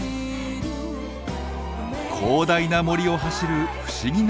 広大な森を走る不思議な列車。